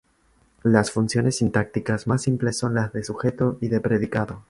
Las funciones sintácticas más simples son las de sujeto y de predicado.